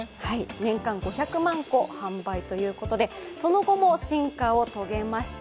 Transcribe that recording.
年間５００万個販売ということでその後も進化を遂げました。